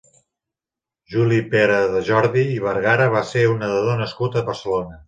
Juli Peradejordi i Vergara va ser un nedador nascut a Barcelona.